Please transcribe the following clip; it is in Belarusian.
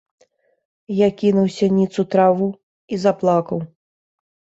Я кінуўся ніц у траву і заплакаў.